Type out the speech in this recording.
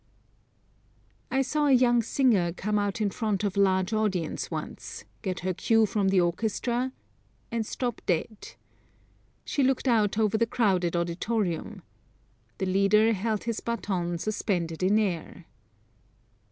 I saw a young singer come out in front of a large audience once, get her cue from the orchestra, and stop dead. She looked out over the crowded auditorium. The leader held his baton suspended in air.